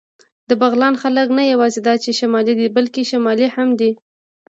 د بغلان خلک نه یواځې دا چې شمالي دي، بلکې شمالي هم دي.